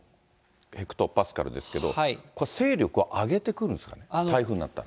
ヘクトパスカルですけれども、これ勢力を上げてくるんですかね、台風になったら。